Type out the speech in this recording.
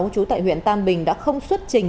chú tại huyện tam bình đã không xuất trình